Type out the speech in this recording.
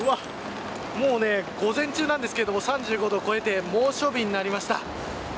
もう午前中なんですが３５度を超えて猛暑日になりました。